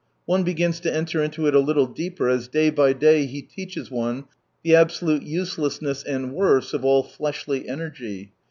One begins to enter into it a little deeper as day by day He teaches one the absolute uselessness, anil worse, of all fleshly energy.